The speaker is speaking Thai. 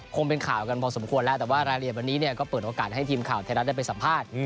คงเป็นข่าวกันพอสมควรแล้วแต่ว่ารายละเอียดวันนี้เนี่ยก็เปิดโอกาสให้ทีมข่าวไทยรัฐได้ไปสัมภาษณ์